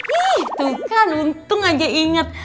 tuh kan untung aja inget